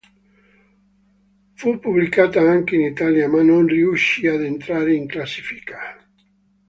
Fu pubblicata anche in Italia, ma non riuscì ad entrare in classifica.